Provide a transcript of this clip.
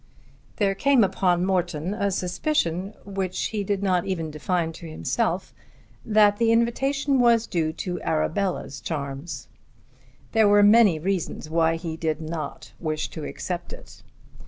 There came upon Morton a suspicion, which he did not even define to himself, that the invitation was due to Arabella's charms. There were many reasons why he did not wish to accept it.